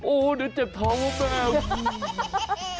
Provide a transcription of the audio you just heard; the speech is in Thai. โอ้เดี๋ยวเจ็บท้องแล้วแม่